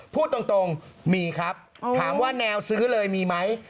พูดตรงมีครับถามว่าแนวซื้อเลยมีไหม